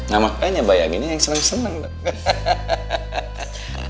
nah makanya bayanginnya yang seneng seneng dong